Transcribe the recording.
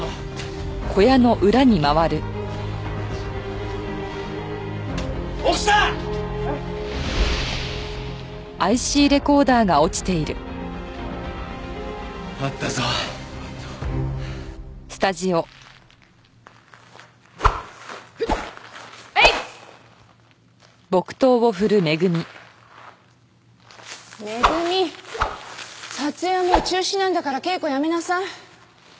撮影はもう中止なんだから稽古やめなさい。